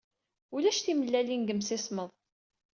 Ulac timellalin deg yimsismeḍ.